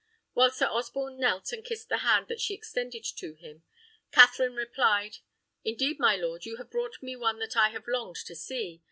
While Sir Osborne knelt and kissed the hand that she extended to him, Katherine replied, "Indeed, my lord, you have brought me one that I have longed to see.